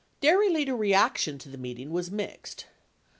99 Dairy leader reaction to the meeting was mixed.